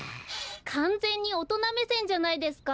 かんぜんにおとなめせんじゃないですか！